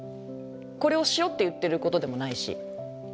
これをしようって言ってることでもないし。